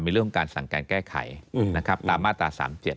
เรื่องของการสั่งการแก้ไขนะครับตามมาตรา๓๗